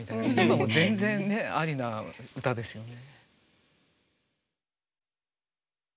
今も全然ありな歌ですよね。